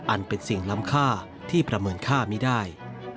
อันเป็นสิ่งล้ำค่าที่ประเมินค่าไม่ได้